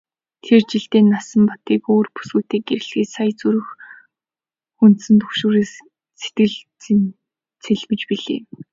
Тэр жилээ Насанбатыг өөр бүсгүйтэй гэрлэхэд л сая зүрх хөндсөн түгшүүрээс сэтгэл цэлмэж билээ.